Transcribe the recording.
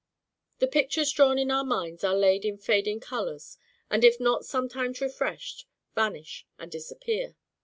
The pictures drawn in our minds are laid in fading colours; and if not sometimes refreshed, vanish and disappear.